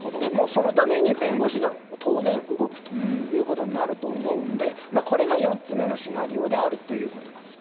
そのために弁護士が当然、動くということになると思うのでこれが４つ目のシナリオであるということです。